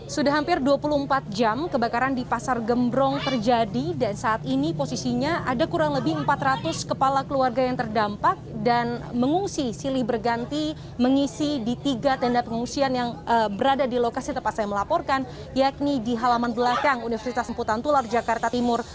sudah hampir dua puluh empat jam kebakaran di pasar gembrong terjadi dan saat ini posisinya ada kurang lebih empat ratus kepala keluarga yang terdampak dan mengungsi silih berganti mengisi di tiga tenda pengungsian yang berada di lokasi tempat saya melaporkan yakni di halaman belakang universitas semputan tular jakarta timur